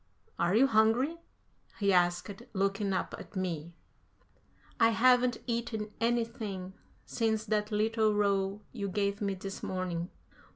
Are you hungry?" he asked, looking up at me. "I haven't eaten anything since that little roll you gave me this morning."